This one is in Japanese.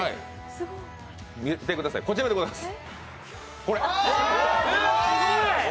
見てください、こちらでございます